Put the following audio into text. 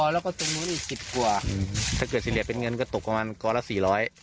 แล้วก็ตรงนู้นอีกสิบกว่าถ้าเกิดเฉลี่ยเป็นเงินก็ตกประมาณกรละสี่ร้อย